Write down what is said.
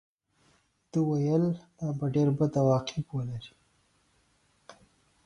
ده ویل دا به ډېر بد عواقب ولري.